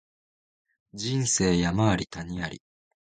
人生山あり谷あり